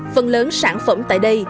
phần lớn sản phẩm tại đây